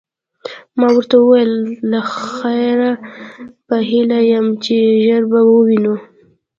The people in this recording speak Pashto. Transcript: ما ورته وویل: له خیره، په هیله یم چي ژر به ووینو.